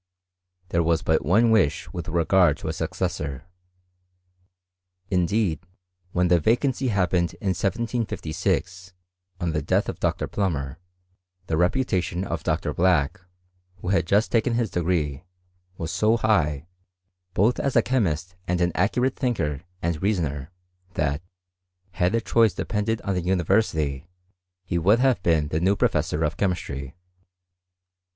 There was but one wish with regard to a successor. Indeed, when the vacancy happened in 1756, on the death of Dr. Plummer, the reputation of Dr. Black, who had just taken his degree, was so high, both as a chemist and an accurate thinker and rea soner, that, had the choice depended on the university, he would have been the new professor of chemistry.